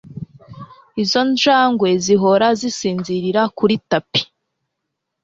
Izo njangwe zihora zisinzira kuri tapi